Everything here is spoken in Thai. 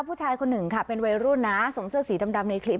ผู้ชายคนหนึ่งค่ะเป็นวัยรุ่นนะสวมเสื้อสีดำในคลิป